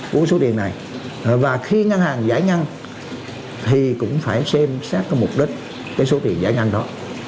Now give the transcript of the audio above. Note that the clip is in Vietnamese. của số tiền này và khi ngân hàng giải ngân thì cũng phải xem xét cái mục đích cái số tiền giải ngân đó